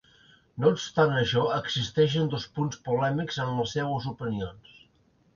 No obstant això, existeixen dos punts polèmics en les seues opinions.